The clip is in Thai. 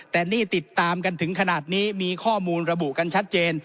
แต่นี่ติดตามกันถึงขนาดนี้มีข้อมูลระบุกันชัดเจน